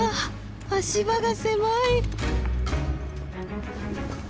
足場が狭い。